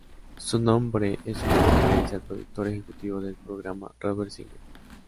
Su nombre es una referencia al productor ejecutivo del programa Robert Singer.